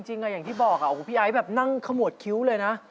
อย่างที่บอกพี่ไอ้แบบนั่งขมวดคิ้วเลยนะ